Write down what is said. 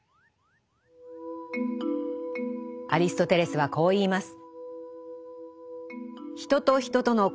アリストテレスはこう言います。